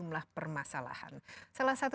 jumlah permasalahan salah satu